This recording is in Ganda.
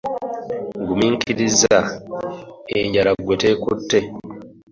Gumiikiriza, enjala ggwe teekutte.